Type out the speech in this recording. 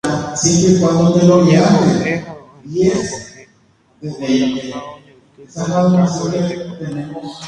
Oñembo'e ha ambue ko'ẽ ogueraha oñotỹ Policarpo retekue.